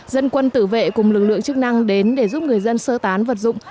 dân quân tử vệ cùng lực lượng chức năng đến để giúp người dân sơ tán vật dụng